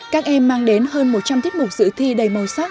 các em mang đến hơn một trăm linh tiết mục dự thi đầy màu sắc